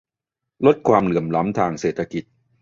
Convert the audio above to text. ลดความเหลื่อมล้ำทางเศรษฐกิจ